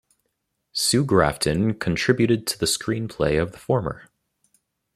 Sue Grafton contributed to the screenplay of the former.